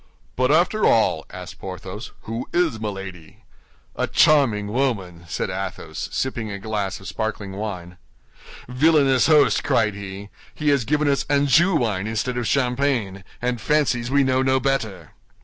"But after all," asked Porthos, "who is Milady?" "A charming woman!" said Athos, sipping a glass of sparkling wine. "Villainous host!" cried he, "he has given us Anjou wine instead of champagne, and fancies we know no better!